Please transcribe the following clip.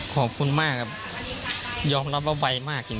ขอบคุณมากครับยอมรับว่าไวมากจริง